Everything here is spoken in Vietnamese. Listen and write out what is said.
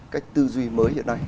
cách tư duy mới hiện nay